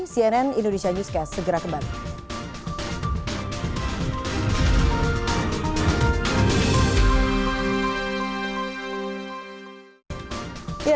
cnn indonesia newscast segera kembali